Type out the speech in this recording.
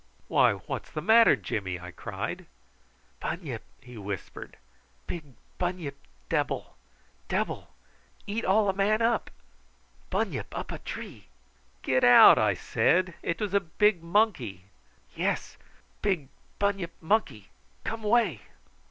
"Why, what's the matter, Jimmy?" I cried. "Bunyip," he whispered, "big bunyip debble debble eat all a man up. Bunyip up a tree." "Get out!" I said; "it was a big monkey." "Yes: big bunyip monkey. Come 'way."